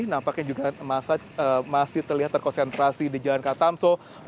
nampaknya juga masa masih terlihat terkonsentrasi di jalan katam sojakarta pusat